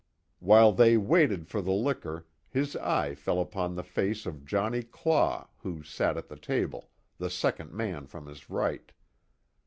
While they waited for the liquor his eye fell upon the face of Johnny Claw, who sat at the table, the second man from his right.